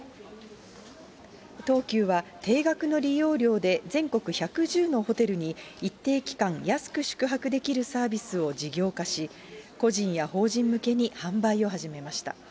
東急は定額の利用料で全国１１０のホテルに一定期間、安く宿泊できるサービスを事業化し、個人や法人向けに販売を始めました。